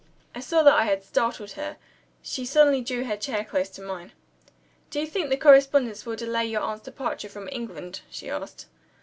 I saw that I had startled her. She suddenly drew her chair close to mine. "Do you think the correspondence will delay your aunt's departure from England?" she asked.